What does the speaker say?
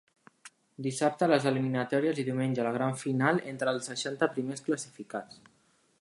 Dissabte les eliminatòries i diumenge la gran final entre els seixanta primers classificats.